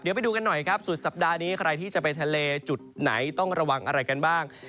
เดี๋ยวไปดูกันหน่อยครับสุดสัปดาห์นี้ใครที่จะไปทะเลจุดไหนต้องระวังอะไรกันบ้าง